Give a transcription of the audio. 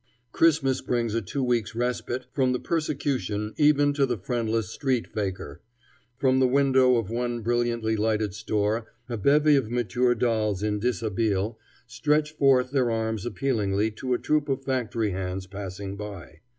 Christmas brings a two weeks' respite from persecution even to the friendless street fakir. From the window of one brilliantly lighted store a bevy of mature dolls in dishabille stretch forth their arms appealingly to a troop of factory hands passing by.